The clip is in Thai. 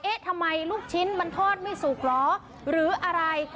ทำไมลูกชิ้นมันทอดไม่สุกเหรอหรืออะไร